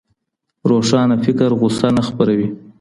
روښانه فکر غوسه نه خپروي.